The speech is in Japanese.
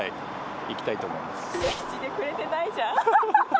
信じてくれてないじゃん。